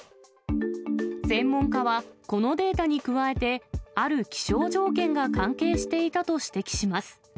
専門家は、このデータに加えて、ある気象条件が関係していたと指摘します。